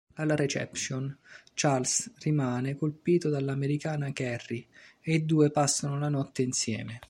Alla reception, Charles rimane colpito dall'americana Carrie, e i due passano la notte insieme.